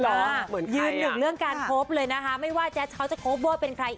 ยืนหนึ่งเรื่องการคบเลยนะคะไม่ว่าแจ๊สเขาจะโคเวอร์เป็นใคร